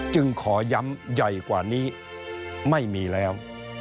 จึงขอย้ำใหญ่กว่านี้ไม่มีแล้ว